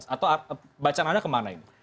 atau bacaan anda kemana ini